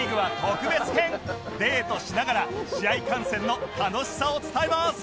デートしながら試合観戦の楽しさを伝えます